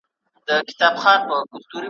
دا تر ټولو مهم کس دی ستا د ژوند په آشیانه کي ,